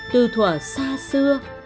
từ thủa xa xưa